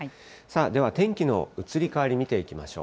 では、天気の移り変わり、見ていきましょう。